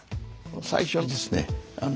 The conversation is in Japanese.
最初はですね